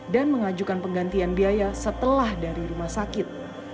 dan mengajukan penggantian biaya setelah dari rumah sakit